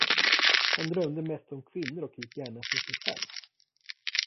Han drömde mest om kvinnor och gick gärna för sig själv.